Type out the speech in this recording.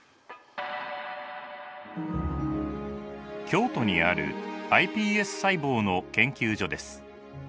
京都にあるｉＰＳ細胞の研究所です。